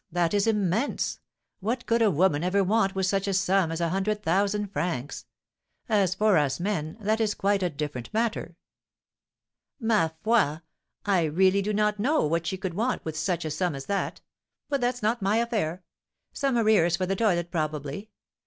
that is immense! What could a woman ever want with such a sum as a hundred thousand francs? As for us men, that is quite a different matter." "Ma foi! I really do not know what she could want with such a sum as that. But that's not my affair. Some arrears for the toilet, probably?